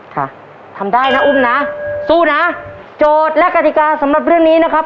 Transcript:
ค่ะทำได้นะอุ้มนะสู้นะโจทย์และกฎิกาสำหรับเรื่องนี้นะครับ